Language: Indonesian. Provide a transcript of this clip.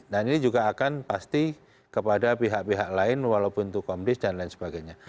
nah ini juga akan pasti kepada pihak pihak lain walaupun itu komdis dan lain sebagainya